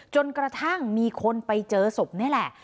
จนกระทั่งมีคนไปเจอศพนี่แหละ